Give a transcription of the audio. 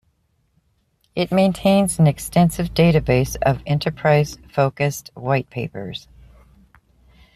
It maintains an extensive database of enterprise-focused white papers.